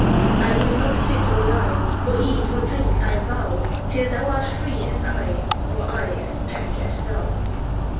"I will not sit or lie, Or eat or drink, I vow, Till thou art free as I, Or I as pent as thou!"